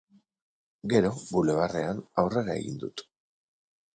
Gero, Bulebarrean aurrera egin dut.